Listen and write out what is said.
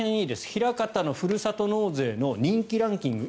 枚方のふるさと納税の人気ランキング